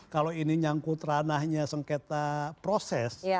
kalau ini nyangkut ranahnya sengketa proses